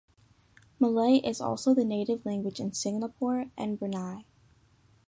Malay is also the native language in Singapore and Brunei.